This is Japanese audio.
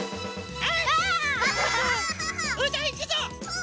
あ！